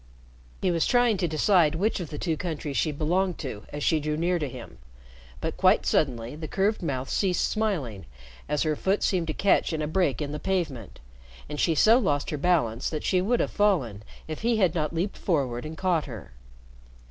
He was trying to decide which of the two countries she belonged to, as she drew near to him, but quite suddenly the curved mouth ceased smiling as her foot seemed to catch in a break in the pavement, and she so lost her balance that she would have fallen if he had not leaped forward and caught her.